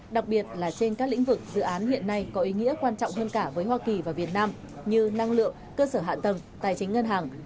đặc biệt là trên các lĩnh vực dự án hiện nay có ý nghĩa quan trọng hơn cả với hoa kỳ và việt nam như năng lượng cơ sở hạ tầng tài chính ngân hàng